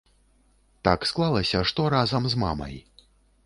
Так склалася, што разам з мамай.